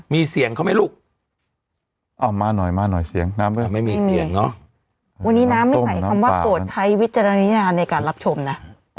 มีเสียงเขาไหมลูกเอามาหน่อยมาหน่อยเสียงน้ำก็ไม่มีเสียงเนอะวันนี้น้ำไม่ใส่คำว่าโปรดใช้วิจารณญาณในการรับชมนะ